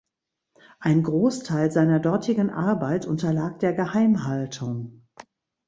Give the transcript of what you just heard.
Ein Großteil seiner dortigen Arbeit unterlag der Geheimhaltung.